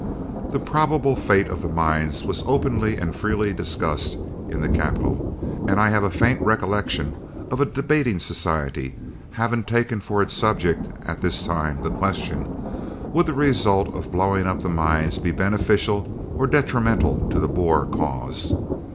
The probable fate of the mines was openly and freely discussed in the capital, and I have a faint recollection of a debating society having taken for its subject, at this time, the question, "Would the result of blowing up the mines be beneficial or detrimental to the Boer cause?"